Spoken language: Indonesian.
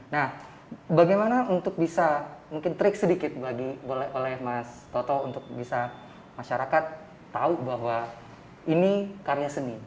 nah bagaimana untuk bisa mungkin trik sedikit oleh mas toto untuk bisa masyarakat tahu bahwa ini karya seni